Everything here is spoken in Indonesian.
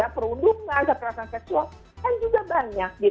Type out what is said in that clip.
perundungan kekerasan seksual kan juga banyak